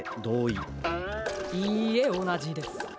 いいえおなじです。